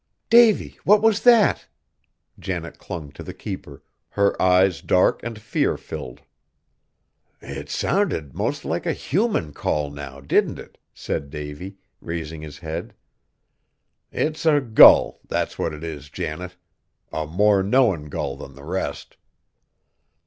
"Davy, what was that?" Janet clung to the keeper, her eyes dark and fear filled. "It sounded 'most like a human call, now didn't it?" said Davy, raising his head; "it's a gull, that's what it is, Janet. A more knowin' gull than the rest!"